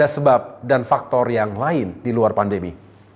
ada sebab dan faktor yang lain di luar pandemi